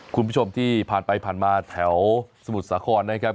คุณผู้ชมที่ผ่านไปผ่านมาแถวสมุทรสาครนะครับ